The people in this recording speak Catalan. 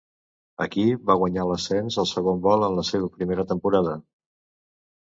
Aquí va guanyar l'ascens al segon vol en la seva primera temporada.